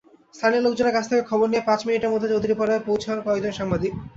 স্থানীয় লোকজনের কাছ থেকে খবর নিয়ে পাঁচ মিনিটের মধ্যে চৌধুরীপাড়ায় পৌঁছান কয়েকজন সাংবাদিক।